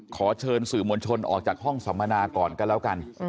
ขอเชิญสื่อมวลชนออกจากห้องสัมมนาก่อนก็แล้วกัน